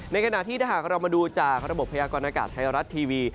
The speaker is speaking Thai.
ขณะที่ถ้าหากเรามาดูจากระบบพยากรณากาศไทยรัฐทีวี